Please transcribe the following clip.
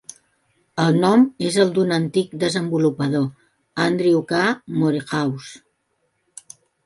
El nom és el d'un antic desenvolupador, Andrew K. Morehouse.